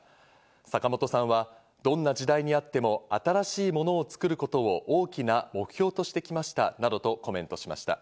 坂元さんはどんな時代にあっても新しいものを作ることを大きな目標としてきましたなどとコメントしました。